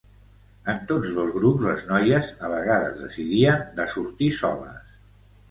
En tots dos grups, les noies a vegades decidien de sortir soles.